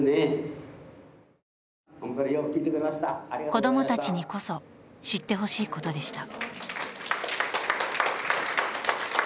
子供たちにこそ、知ってほしいことでした。